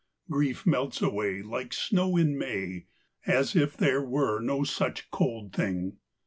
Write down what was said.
Grief melts awayLike snow in May, As if there were no such cold thing.